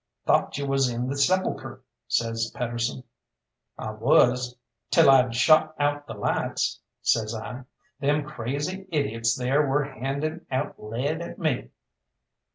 "Thought you was in the 'Sepulchre'!" says Pedersen. "I was till I'd shot out the lights," says I; "them crazy idiots there were handing out lead at me."